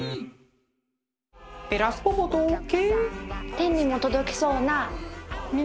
天にも届きそうな。